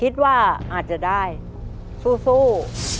คิดว่าอาจจะได้สู้